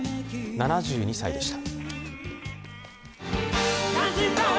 ７２歳でした。